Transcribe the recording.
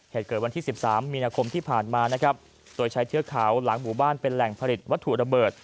เหตุเกิดวันที่๑๓มีนาคมที่ผ่านมานะครับโดยใช้เทือกเขาหลังหมู่บ้านเป็นแหล่งผลิตวัตถุระเบิด